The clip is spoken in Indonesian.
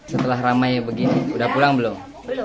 setelah ramai begini udah pulang belum